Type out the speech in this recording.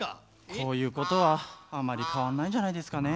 こういうことはあんまりかわんないんじゃないですかね。